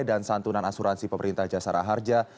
dan santunan asuransi pemerintah jasara harja